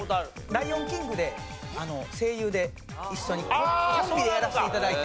『ライオン・キング』で声優で一緒にコンビでやらせて頂いて。